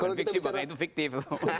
bukan fiksi itu fiktif